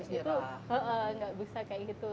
tidak bisa kayak itu